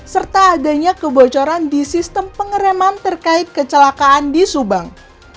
serta adanya kebocoran di sistem pengereman terkait kecelakaan di subang